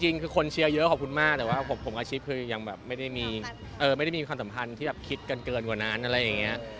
จริงคือคนเชียร์เยอะขอบคุณมากแต่ว่าผมกับชิปยังไม่ได้มีความสัมพันธ์ที่คิดเกินกว่านั้น